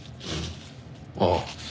ああ。